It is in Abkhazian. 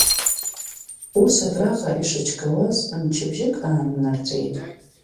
Ус абраҟа ишычгауаз мчыбжьык ааннарҵәеит.